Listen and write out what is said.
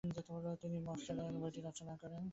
তিনি মন্তসেরাট বইটি রচনা করেন।